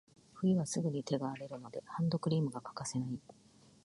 冬はすぐに手が荒れるので、ハンドクリームが欠かせない。